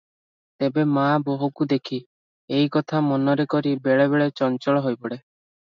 ତେବେ ମା ବୋହୁକୁ ଦେଖୁ, ଏହି କଥା ମନରେ କରି ବେଳେ ବେଳେ ଚଞ୍ଚଳ ହୋଇପଡେ ।